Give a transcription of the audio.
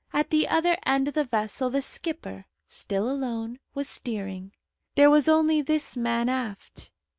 At the other end of the vessel the skipper, still alone, was steering. There was only this man aft.